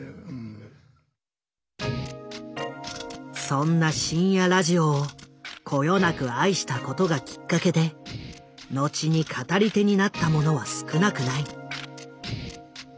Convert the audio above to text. そんな深夜ラジオをこよなく愛したことがきっかけで後に語り手になった者は少なくない。